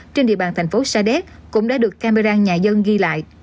trên địa bàn thành phố sa đéc cũng đã được camera nhà dân ghi lại